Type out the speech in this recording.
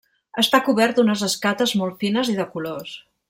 Està cobert d'unes escates molt fines i de colors.